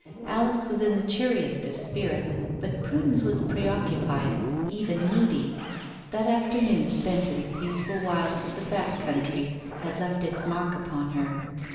Alice was in the cheeriest of spirits, but Prudence was pre occupied, even moody. That afternoon spent in the peaceful wilds of the "back" country had left its mark upon her.